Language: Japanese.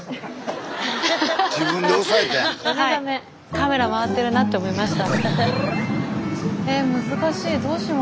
カメラ回ってるなって思いました。